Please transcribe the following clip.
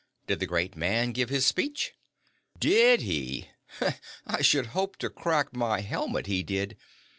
Did the great man give his speech?" "Did he? I should hope to crack my helmet he did!